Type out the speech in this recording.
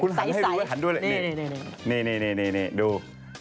คุณหันให้รู้หันด้วยเลยนี่นี่ดู